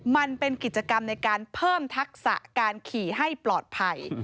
มันเป็นกิจกรรมในการเพิ่มทักษะการขี่ให้ปลอดภัย